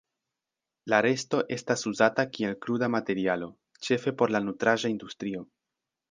La resto estas uzata kiel kruda materialo, ĉefe por la nutraĵa industrio.